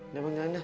udah bang jalan dah